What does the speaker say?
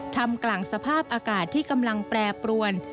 ทำกลางสภาพอากาศที่กำลังแปรปรวน